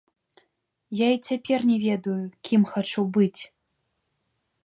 Я і цяпер не ведаю, кім хачу быць.